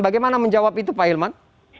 bagaimana menjawab itu pak hilman